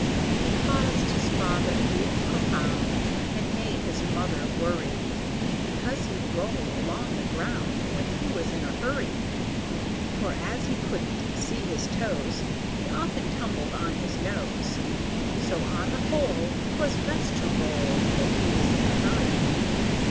He caused his father grief profound, And made his mother worry, Because he'd roll along the ground When he was in a hurry. For as he couldn't see his toes, He often tumbled on his nose; So, on the whole, 'Twas best to roll When he was in a hurry.